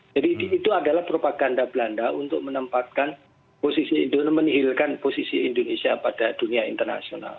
jadi itu adalah propaganda belanda untuk menempatkan posisi indonesia pada dunia internasional